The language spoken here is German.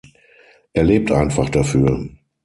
Er lebt einfach dafür.